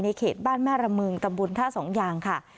ในเขตบ้านแม่ระเมิงตำบูรณ์ท่าสองอย่างค่ะ